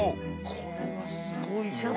これはすごいよ。